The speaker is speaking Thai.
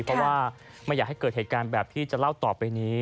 เพราะว่าไม่อยากให้เกิดเหตุการณ์แบบที่จะเล่าต่อไปนี้